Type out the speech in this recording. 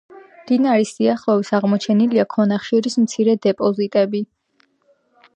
მდინარის სიახლოვეს აღმოჩენილია ქვანახშირის მცირე დეპოზიტები.